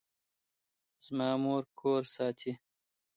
زما مور کور ساتي